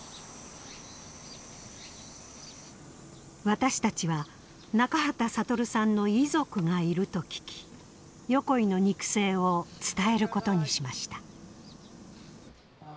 私たちは中畠悟さんの遺族がいると聞き横井の肉声を伝えることにしました。